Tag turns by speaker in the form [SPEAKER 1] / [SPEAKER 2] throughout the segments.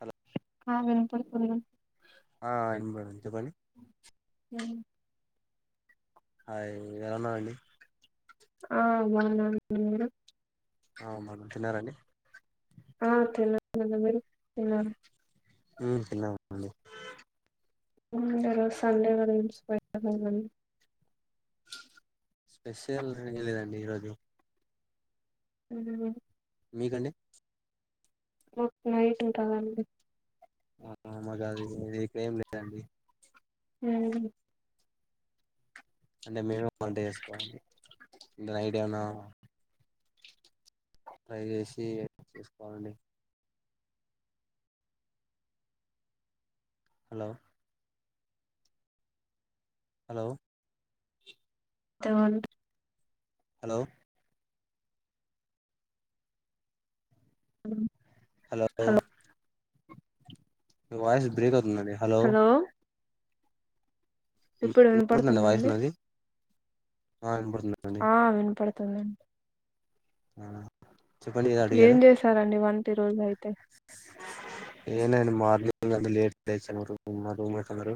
[SPEAKER 1] Hello
[SPEAKER 2] ఆ వినపడుతలేదు
[SPEAKER 1] ఆ ఆ ఇనబడింది చెప్పండి
[SPEAKER 2] హ
[SPEAKER 1] హాయ్ ఎలా ఉన్నావండి
[SPEAKER 2] ఆ [unintelligible]
[SPEAKER 1] అ అన్నం తిన్నారాండి
[SPEAKER 2] ఆ తిన్నమండి మీరు తిన్నారా
[SPEAKER 1] అ
[SPEAKER 2] ఏం వంట చేసారండి రోజు సండే కదా ఏంటి స్పెషల్
[SPEAKER 1] స్పెషల్ ఏం లేదండి ఈరోజు
[SPEAKER 2] ఉ
[SPEAKER 1] మీదండి
[SPEAKER 2] ఓ నైట్ ఉంటుదండి
[SPEAKER 1] ఆ మాకు అది ఇప్పుడు ఏం లేదండి
[SPEAKER 2] హు
[SPEAKER 1] అంటే మేమే వంట చేసుకోవాలి ఇ ఐడియానా ట్రై చేేసి చేసుకోవాలండి హలో హలో
[SPEAKER 2] [inaudible]
[SPEAKER 1] హలో
[SPEAKER 2] ఆ
[SPEAKER 1] హలో మీ వాయిస్ బ్రేక్ ఆవు తుది అండి హలో
[SPEAKER 2] ఇప్పుడు
[SPEAKER 1] వినపడుతుందండి
[SPEAKER 2] వినపడుతుందా
[SPEAKER 1] వాయిస్
[SPEAKER 2] అండి
[SPEAKER 1] నాది ఆ వినపడుతుందండి
[SPEAKER 2] తుది అండి
[SPEAKER 1] ఆ చెప్పండి ఏదో
[SPEAKER 2] ఏం
[SPEAKER 1] అడిగారు
[SPEAKER 2] చేశారండి వంట ఈరోజు అయితే
[SPEAKER 1] ఏం లేదు అండి మార్నింగ్అంత లేట్ గా లేశాంరు మా రూమ్మేట్స్ అందరూ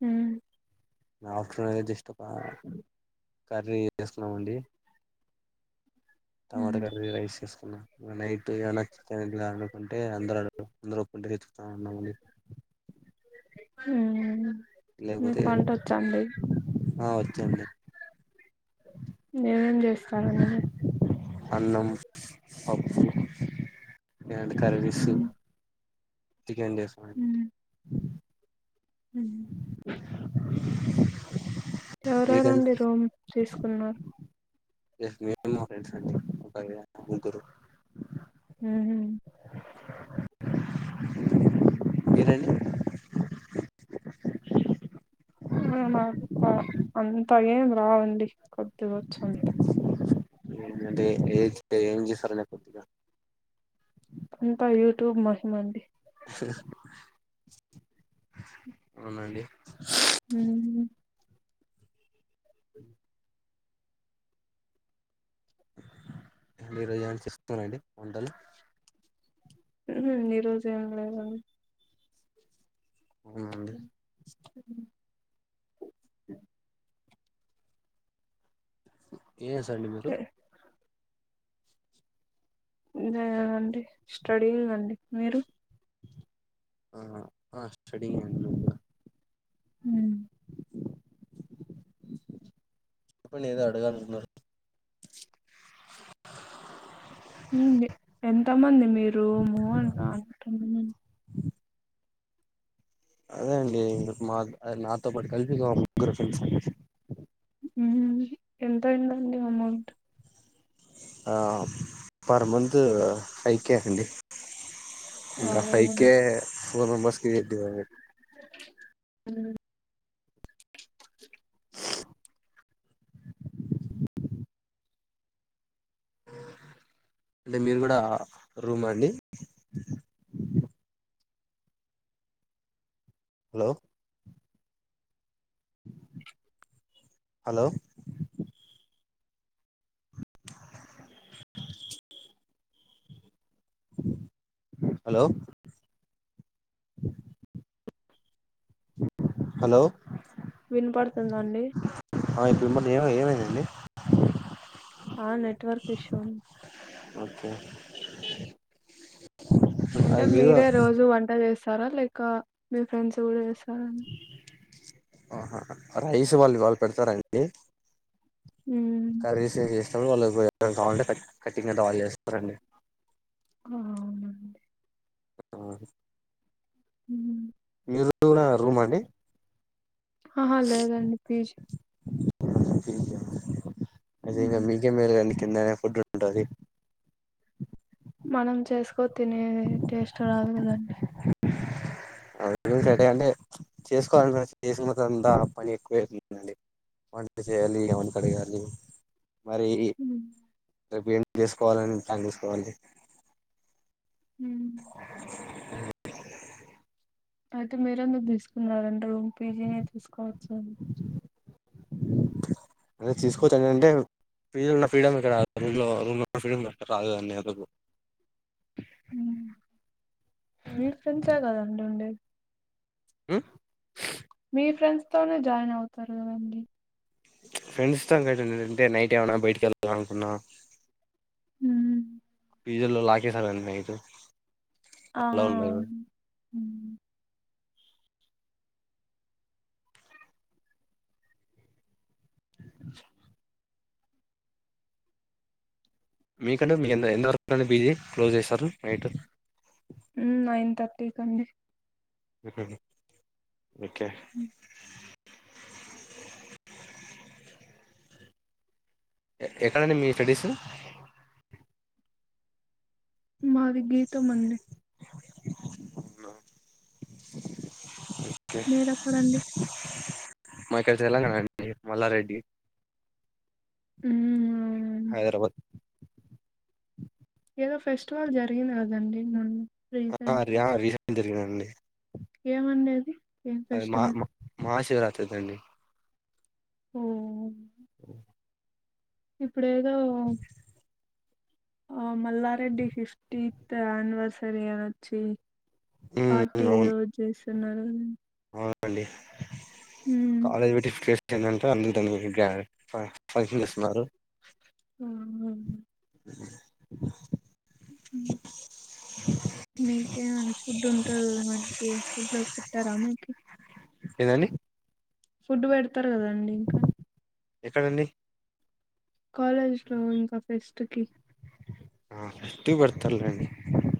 [SPEAKER 2] హు
[SPEAKER 1] నా ఆప్షన్ఏదో జస్ట్ ఒక
[SPEAKER 2] [inaudible]
[SPEAKER 1] కర్రీ చేసున్నామండి టమాటో
[SPEAKER 2] ఉమ్,
[SPEAKER 1] కరీ రైస్ చేసు అన్న మొన్న నైట్ అంటే ఏమన్నా చికెన్ గిట్ల వండుకుంటే అనుకుంటే అందరు అందరు ఒప్పుకుంటే తెచ్చుకుందామండి
[SPEAKER 2] హు
[SPEAKER 1] లేకపోతే ఆ వచ్చండి
[SPEAKER 2] ఏమేమే చేస్తారు అండి మీరు
[SPEAKER 1] అన్నం పప్పు లేదంటే కర్రీస్
[SPEAKER 2] ఉమ్,
[SPEAKER 1] చికెన్ చేస్తామండి
[SPEAKER 2] ఎవరు ఎవరు
[SPEAKER 1] మీకండి
[SPEAKER 2] అండి రూమ్ తీసుకున్నారు
[SPEAKER 1] ఏస్ నేను నా ఫ్రెండ్స్ అండి [inaudible] ముగ్గురు
[SPEAKER 2] ఉహు
[SPEAKER 1] మీరు అండి
[SPEAKER 2] [unintelligible] మాప్ప అంతగేం రావండి కొద్దిగ వచ్చు అంతే
[SPEAKER 1] ఎందండి ఏజ్ ఏంజేసార్ కొద్దిగ
[SPEAKER 2] అంతా యూట్యూబ్ మహిమండి
[SPEAKER 1] హ్ హ్ హ్ అవునండి
[SPEAKER 2] హ
[SPEAKER 1] ఈరోజు ఏమన్నా చెస్తునరండి వంటలు
[SPEAKER 2] ఉహ్ ఈరోజేం లేదండి
[SPEAKER 1] అవునా అండి ఏం జేస్తారండి మీరు
[SPEAKER 2] లేదండి స్టడీయింగ్ అండి మీరు
[SPEAKER 1] ఆ ఆ స్టడీయింగ్ అండి నేను కూడ
[SPEAKER 2] హ
[SPEAKER 1] చెప్పండి ఏదో అడగాలంటున్నారు
[SPEAKER 2] ఊమ్ ఎంతమంది మీరు మోహన్ అం
[SPEAKER 1] అదే అండి మా నాతో పాటు కలిపి ఇంకో ముగ్గురు ఫ్రెండ్స్
[SPEAKER 2] ఎంతయిందండి amount
[SPEAKER 1] per month five K అండి
[SPEAKER 2] ఆ,
[SPEAKER 1] ఇంకా ఫైవ్ కె ఫోర్ మెంబర్స్కి
[SPEAKER 2] అ
[SPEAKER 1] అంటే మీరు కూడా రూమ్ అండి హలో హలో హలో హలో
[SPEAKER 2] వినపడుతుంద అండి
[SPEAKER 1] [unintelligible] తమ ఏమన్న ఏమైంది అండి
[SPEAKER 2] ఆ నెట్వర్క్ ఇష్యూ ఉంది.
[SPEAKER 1] ఓకే
[SPEAKER 2] అంటే
[SPEAKER 1] అది మీరు
[SPEAKER 2] మీరే రోజు వంట చేస్తారా చేస్తారా లైక మీ ఫ్రెండ్స్ కూడా చేస్తారా అ
[SPEAKER 1] ఆహా రైస్ వాళ్ళు వాళ్లు పెడతారండి
[SPEAKER 2] మ్మ్.
[SPEAKER 1] కర్రీస్ నేను చేస్తా వాళ్ళు కావాలంటే కట్టింగ్ అంతా వాళ్లు చేస్తారండి
[SPEAKER 2] అవునా అండి
[SPEAKER 1] ఆ
[SPEAKER 2] హ
[SPEAKER 1] మీరు రూమ్ అండి
[SPEAKER 2] ఆహా లేదండి పి జి
[SPEAKER 1] అదేగా మీకే మేలుగా అండీ కిందనే ఫుడ్ ఉంటాది
[SPEAKER 2] మనం చేసుకో తినే టేస్ట్ రాదు కదండి
[SPEAKER 1] అ సరే అంటే చేసుకోవాలి, చేసుకునంతా పని ఎక్కువేందండి వంట చేయాలి. ఏమన్న అడగాలి. మరి
[SPEAKER 2] ఉమ్.
[SPEAKER 1] రేపు ఏం చేసుకోవాలనిట్ని తీసుకోవాలి.
[SPEAKER 2] ఉమ్. అయితే, మీరందుకు తీసుకున్నారండి. రూమ్ పీజీని తీసుకోవచ్చు.
[SPEAKER 1] అే తీసుకోవచ్చ, ఏంటే ఫీలున్న ఫ్రీడమ్ ఇక్కడ రాదు, రూమ్లో రూమ్ ఫ్రీడమ్, ఇక్కడ రాదు కదా అండి అందుకు.
[SPEAKER 2] మ్ మీ ఫ్రెండ్సే గదండి, ఉండేది.
[SPEAKER 1] ఉ
[SPEAKER 2] మీ ఫ్రెండ్స్ తోనే, జాయిన్ అవుతారు కదండీ.
[SPEAKER 1] చ్, ఫ్రెండ్స్ తోని, అయితే ఎంటి, అంటే నైట్ ఏమనా బయటకి ఎళ్ళా అనుకున్నా.
[SPEAKER 2] ఉమ్
[SPEAKER 1] పీజిల్లో లాకేసారు. అండి నైటు
[SPEAKER 2] ఆ ఉ
[SPEAKER 1] [inaudible] మీకంటే మీ ఎంత వరకు, బిజీ క్లోజ్ చేస్తారు. నైట్
[SPEAKER 2] మ్, నైన్ థర్టీ కండి
[SPEAKER 1] ఎక్కడది ఓకే ఎక్కడండి మీ స్టడీసు
[SPEAKER 2] మాది గీతం అండి
[SPEAKER 1] న ఓకే
[SPEAKER 2] మీరెక్కడండి
[SPEAKER 1] మా ఇక్కడ తెలంగాణ అండి మల్లారెడ్డి
[SPEAKER 2] ఉమ్, అవునండి
[SPEAKER 1] హైదరాబాద్
[SPEAKER 2] ఏదో ఫెస్టివల్ జరిగింది కదండి మొన్న
[SPEAKER 1] ఆ ఆరియా రీసెంద్ అండి
[SPEAKER 2] ఏమండేది
[SPEAKER 1] అది మా మా మస్సు తెరతిరదండి
[SPEAKER 2] ఓ
[SPEAKER 1] అ
[SPEAKER 2] ఇప్పుడేదో ఆ మల్లారెడ్డి ఫిఫ్టీ త్ అన్నివెర్సర్య్ అనొచ్చి పార్టీ ఈరోజేస్ తిన్నారా
[SPEAKER 1] మడి
[SPEAKER 2] ఉమ్
[SPEAKER 1] కాలేజ వెటిఫే టంటే అల్ందుదాని పైక్షన్కస్తున్నారు ఆ [unintelligible]
[SPEAKER 2] మీకేమ ఫుడ్ ఉంటంది మంచి ఫుడ్ లో పెట్టారా మీకు
[SPEAKER 1] ఏదండీ
[SPEAKER 2] ఫుడ్ పెడు వస్తారు కదండి ఇంకా
[SPEAKER 1] ఎక్కడండి
[SPEAKER 2] కాలేజ్ లో ఇంకా ఫెస్ట్ కి
[SPEAKER 1] ఆ ఫస్టు పెడతారు లెండి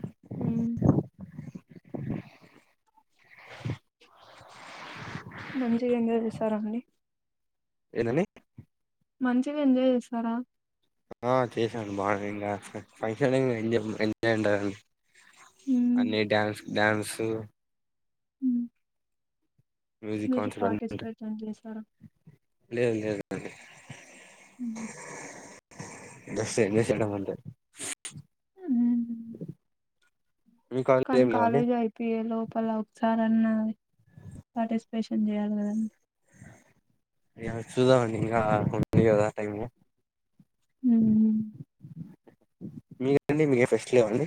[SPEAKER 2] [unintelligible] మంచిగా ఎంజాయ్ చేశారండి
[SPEAKER 1] ఏదండీ
[SPEAKER 2] మంచిగా ఎంజాయ్ చేస్తారా
[SPEAKER 1] ఆ చేశాను బానే ఇంగా ఫంక్షన్ వె ఏంటండీ
[SPEAKER 2] ఉమ్.
[SPEAKER 1] అన్ని డ్యాన్స్ డ్యాన్సు
[SPEAKER 2] ఉమ్.
[SPEAKER 1] మ్యూజిక్
[SPEAKER 2] మీరు
[SPEAKER 1] కాన్సర్ట్ అన్ని
[SPEAKER 2] పార్టిస్పై
[SPEAKER 1] ఉంటాయి
[SPEAKER 2] చేస్తారా
[SPEAKER 1] లేదు లేదు అండి జస్ట్ ఎంజాయ్ చేయడం అంతే
[SPEAKER 2] ఊ
[SPEAKER 1] మీ
[SPEAKER 2] కానీ
[SPEAKER 1] ఏం లేవండి
[SPEAKER 2] కాలేజ్ అయిపోయే లోపలా ఒకసరి రన్నా పార్టిసిపేషన్ చేయాలి కదండి
[SPEAKER 1] యా చూద్ధం అండి ఉంది కదా టైం
[SPEAKER 2] హ్మ్
[SPEAKER 1] [unintelligible] మీకండి మీకు ఫెస్ట్లు లేవండి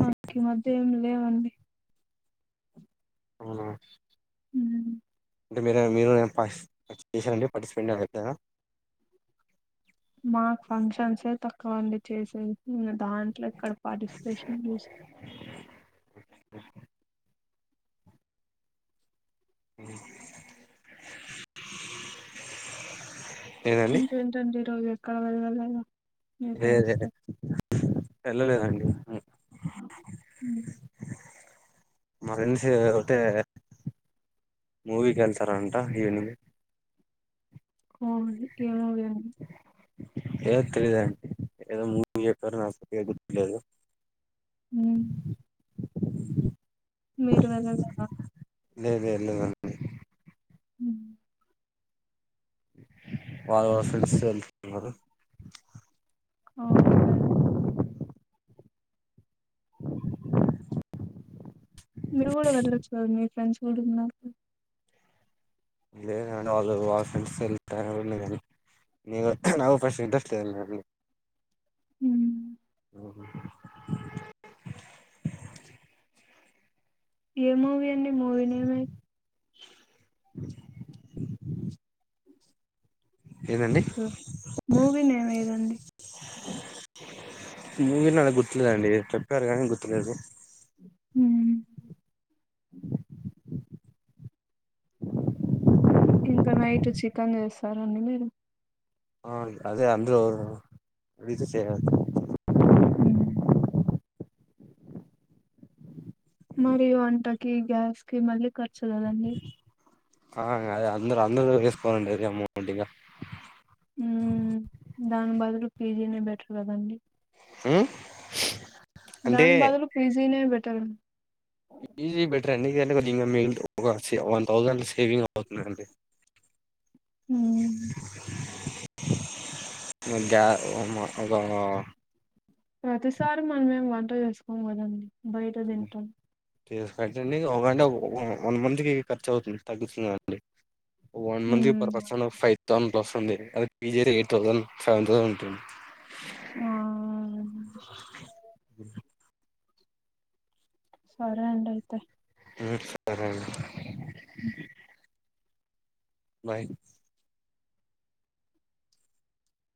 [SPEAKER 2] మాకు ఈ మధ్య ఏం లేవండి
[SPEAKER 1] హమ్
[SPEAKER 2] హ్మ్
[SPEAKER 1] అంటే మీరు మీరు నేను పార్టీసిపెంట్ చేసారండి పార్టిసిపెంట్నా
[SPEAKER 2] మాకు ఫంక్షన్స్ తక్కువ అండి చేసేది ఇగ దాంట్లో ఎక్కడ పార్టీసీపేషన్ చేసిన
[SPEAKER 1] [unintelligible] [unintelligible]
[SPEAKER 2] ఇంకేంటండి ఈ రోజు అక్కడ వెల్లా లేను.
[SPEAKER 1] లేదు లేలేదు. వెళ్ళలేదండి ఉ
[SPEAKER 2] ఉ
[SPEAKER 1] మంచి వేదర్ ఉంటే మూవీకి వెళ్తారంట ఈవెనింగ్.
[SPEAKER 2] అవునా ఏ మూవీ అండి.
[SPEAKER 1] ఏదో తెలియదండి. ఏదో మూవీ చెప్పారు నాకు పేరు గుర్తుకు లేదు.
[SPEAKER 2] ఉ మీరు వెళ్లలేదా?
[SPEAKER 1] లేదు లేదు వెళ్ళలేదండి.
[SPEAKER 2] ఊ
[SPEAKER 1] వాళ్ళు వాళ్ళ ఫ్రెండ్స్ తో వెళ్తున్నరు.
[SPEAKER 2] ఓకే మీరు కూడా వెళ్లొచ్చు కదా మీ ఫ్రెండ్స్ కుడా ఉన్నారుగా.
[SPEAKER 1] లేదండి వాళ్ళు వాళ్ళ ఫ్రెండ్స్ తో వెళుతారు. నేను ఎళ్ళ నేను కూడా నాకు ఫస్ట్ ఇంట్రస్ట్ లేదండి.
[SPEAKER 2] ఊ
[SPEAKER 1] ఓ
[SPEAKER 2] ఏ మూవీ అండి, మూవీ నేమే
[SPEAKER 1] [inaudible] ఏదండి
[SPEAKER 2] హ్ మూవీ నేమ్ ఎదండి.
[SPEAKER 1] మూవీ నేమ్ గుర్తులేదండి చెప్పారు కానీ గుర్తులేదు.
[SPEAKER 2] హ్
[SPEAKER 1] [unintelligible]
[SPEAKER 2] ఇంకా నైట్ చికెన్ చేస్తారండి మీరు.
[SPEAKER 1] ఆ అదే అందరు [inaudible] అడిగితే చేసేద్దాం.
[SPEAKER 2] హ్ మరి వంటకి గ్యాస్ కి మళ్ళీ క ర్చు కదండి.
[SPEAKER 1] ఆ అదే అందరు అందరు వేసుకోవాలండి అమౌంట్ ఇగా.
[SPEAKER 2] ఉ దానికి బదులు పీజీనే బెటర్ కదండి.
[SPEAKER 1] హ్
[SPEAKER 2] దాని బదులు ఫీజీనే బె టర్
[SPEAKER 1] పీజీ బెటర్ అండి ఎందుకంటే కొద్దిగా మిగులుతయి ఒక సే వన్ థౌజండ్ సేవింగ్ అవుతుంది అండి.
[SPEAKER 2] హ్ హు
[SPEAKER 1] గ్యా వన్ మ ఒక
[SPEAKER 2] ప్రతిసారి మనం ఏం వంట చేసుకోం కదండి. బయట తింటం.
[SPEAKER 1] కే ఖర్చు అండి ఒక గంట వన్ మంత్ కి ఖర్చు అవుతుంది తగ్గుతున్నది అండి. వన్ మంత్ పర్
[SPEAKER 2] మ్మ్.
[SPEAKER 1] పర్సన్ ఫై [inaudible] పస్ంది అది పీజ ఎయిట్ థౌసండ్ సైవెన్ థౌసండ్ ఉంటుంది
[SPEAKER 2] ఆ ఉ సరే అండీ అయితే
[SPEAKER 1] ఉ సరే అండి బాయ్